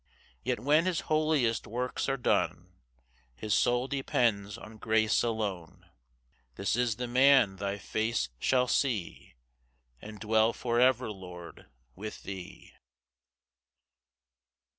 ] 7 Yet when his holiest works are done, His soul depends on grace alone; This is the man thy face shall see, And dwell for ever Lord, with thee.